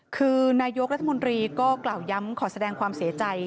คือนายกรัฐมนตรีก็กล่าวย้ำขอแสดงความเสียใจ